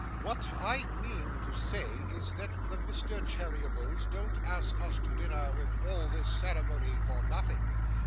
What I mean to say is, that the Mr. Cheerybles don't ask us to dinner with all this ceremony for nothing.